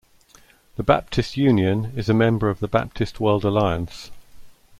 The Baptist Union is a member of the Baptist World Alliance.